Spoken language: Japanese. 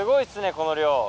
この量。